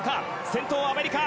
先頭はアメリカ。